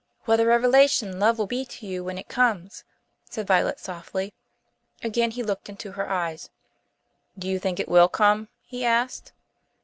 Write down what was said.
"What a revelation love will be to you when it comes," said Violet softly. Again he looked into her eyes. "Do you think it will come?" he asked.